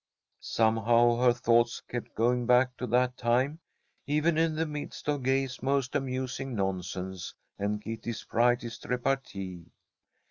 Somehow her thoughts kept going back to that time, even in the midst of Gay's most amusing nonsense, and Kitty's brightest repartee.